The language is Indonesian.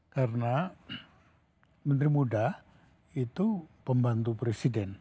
karena menteri muda itu pembantu presiden